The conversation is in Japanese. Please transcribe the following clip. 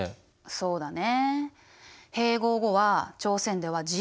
そうだね。